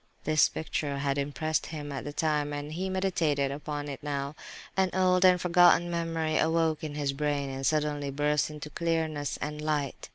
This picture had impressed him at the time, and he meditated upon it now. An old, forgotten memory awoke in his brain, and suddenly burst into clearness and light.